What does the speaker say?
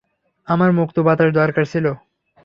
আমার মুক্ত বাতাস দরকার ছিল।